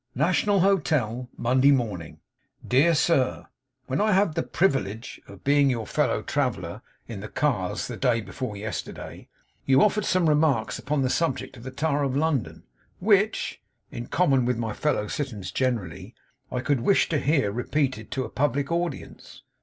'NATIONAL HOTEL, 'MONDAY MORNING. 'Dear Sir 'When I had the privillidge of being your fellow traveller in the cars, the day before yesterday, you offered some remarks upon the subject of the tower of London, which (in common with my fellow citizens generally) I could wish to hear repeated to a public audience.